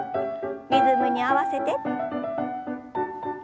リズムに合わせて。